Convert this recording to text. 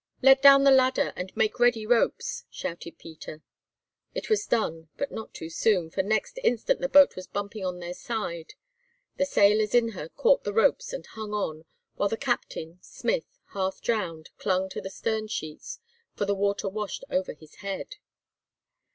"Let down the ladder, and make ready ropes," shouted Peter. It was done, but not too soon, for next instant the boat was bumping on their side. The sailors in her caught the ropes and hung on, while the captain, Smith, half drowned, clung to the stern sheets, for the water washed over his head.